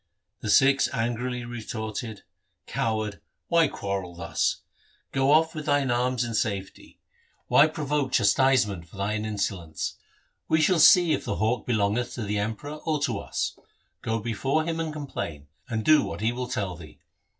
The Sikhs angrily retorted, ' Coward, why quarrel thus ? Go off with thine arms in safety. Why pro LIFE OF GURU HAR GOBIND 81 voke chastisement for thine insolence ? We shall see if the hawk belongeth to the Emperor or to us. Go before him and complain, and do what he will tell thee.